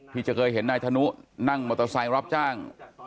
ที่จะเคยเห็นนายธนุนั่งมอเตอร์ไซค์รับจ้าง